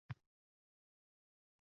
Zero, yuqorida aytganimizdek